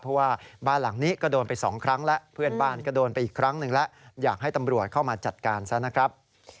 เพราะว่าบ้านหลังนี้ก็โดนไปสองครั้งแล้วเพื่อนบ้านก็โดนไปอีกครั้งหนึ่งแล้วอยากให้ตำรวจเข้ามาจัดการซะนะครับ